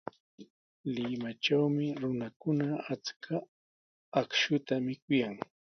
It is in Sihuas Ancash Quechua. Limatrawmi runakuna achka akshuta mikuyan.